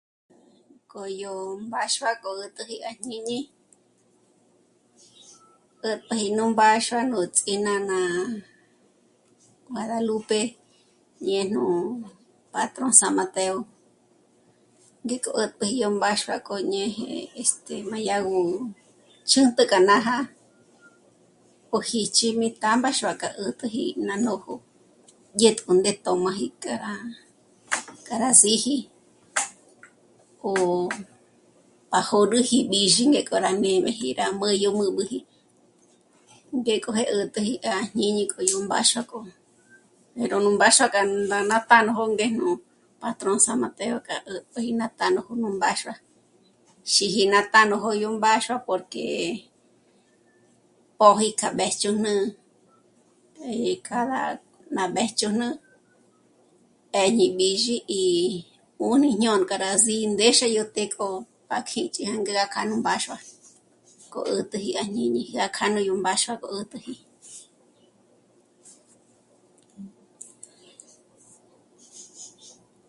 K'o yó mbáxua k'o yó 'ä̀t'äji à jñíñi, 'ä̀tpjäji nú mbáxua ts'ínána Mára Lupe ñéj nú patrón San Mateo ngéko 'ä̀tpjäji yó mbáxua k'o ñéje este... má yá gó chǚnt'ü k'a nája pójíjch'imi ná támbáxua k'a 'ä̀t'äji ná nójo, dyä̀t'kü ndé má tóji k'a rá... k'a rá síji 'ó pajôrüji b'ízhí ndék'o rá nê'meji rá mbä́dyä yó jmū̌mūji. Ngékoji 'ä̀t'äji à jñíñi k'o yó mbáxua k'o, pero nú mbáxua k'a ná ndá páj nú ngé nú patrón San Mateo k'a ä̀t'pjäji ná tánojó'o nú mbáxua, xîji ná tánojó'o yó mbáxua porque póji k'a mbéjchüjn'e eh... cada... ná mbéjchüjn'e 'ë́dyi b'ízhi y... 'ùjni dyónk'a rá s'índéxe yó të́'ë k'o pájich'i k'e rá ndá k'a nú mbáxua k'o 'ä̀t'äji à jñíñi y kja k'aní yó mbáxua 'ä̀t'äji